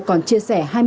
còn chia sẻ